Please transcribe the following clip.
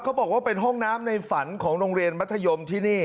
บอกว่าเป็นห้องน้ำในฝันของโรงเรียนมัธยมที่นี่